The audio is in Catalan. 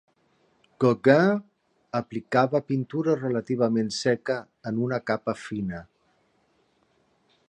Gauguin aplicava pintura relativament seca en una capa fina.